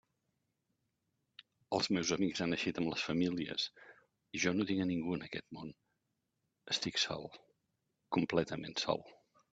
Els meus amics han eixit amb les famílies, i jo no tinc a ningú en aquest món; estic sol..., completament sol.